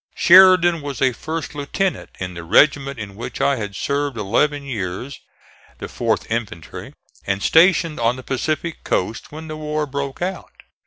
Sheridan was a first lieutenant in the regiment in which I had served eleven years, the 4th infantry, and stationed on the Pacific coast when the war broke out.